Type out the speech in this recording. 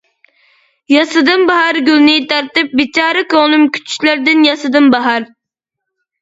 ياسىدىم باھار گۈلنى تارتىپ بىچارە كۆڭلۈم، كۈتۈشلەردىن ياسىدىم باھار.